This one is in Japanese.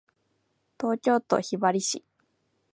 東京都雲雀市